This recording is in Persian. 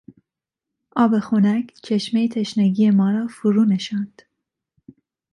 آب خنک چشمه تشنگی ما را فرونشاند.